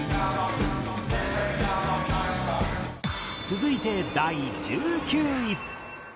続いて第１９位。